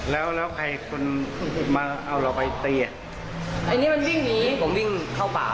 แล้วแล้วใครคนมาเอาเราไปตีอ่ะอันนี้มันวิ่งหนีผมวิ่งเข้าป่า